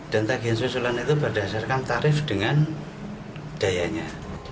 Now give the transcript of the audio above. dan tagihan susulan itu berdasarkan tarif dengan dayanya